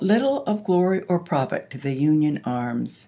little of glory or profit to the Union arms.